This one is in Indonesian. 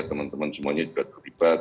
teman teman semuanya juga terlibat